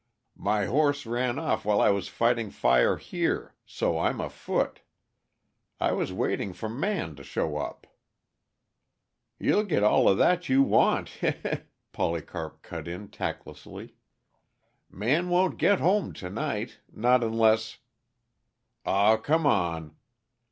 "My horse ran off while I was fighting fire here, so I'm afoot. I was waiting for Man to show up." "You'll git all of that you want he he!" Polycarp cut in tactlessly. "Man won't git home t' night not unless " "Aw, come on."